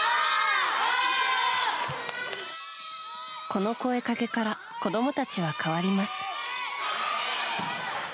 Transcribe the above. この声掛けから子供たちは変わります。